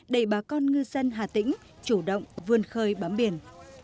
để bà con ngư dân hà tĩnh chủ động vươn khơi bám biển